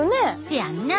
せやんな。